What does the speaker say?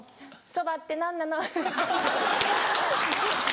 「そばって何なの？」